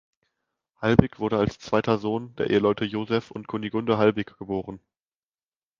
Halbig wurde als zweiter Sohn der Eheleute Joseph und Kunigunde Halbig geboren.